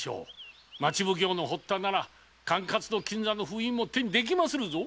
町奉行・堀田なら管轄の金座の封印も手にできまするぞ。